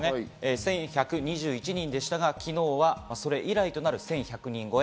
１１２１人でしたが昨日はそれ以来となる１１００人超え。